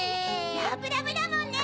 ラブラブだもんね！